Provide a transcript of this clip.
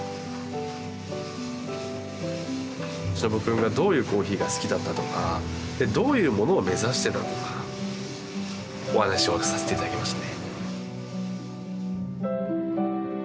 忍くんがどういうコーヒーが好きだったとかどういうものを目指してたとかお話をさせて頂きましたね。